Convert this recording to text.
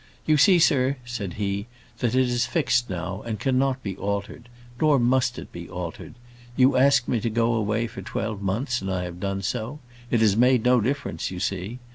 "You see, sir," said he, "that it is fixed now, and cannot be altered. Nor must it be altered. You asked me to go away for twelve months, and I have done so. It has made no difference, you see.